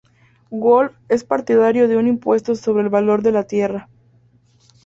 Wolf es partidario de un impuesto sobre el valor de la tierra.